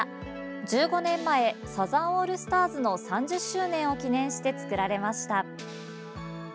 １５年前サザンオールスターズの３０周年を記念して作られました。